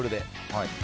はい。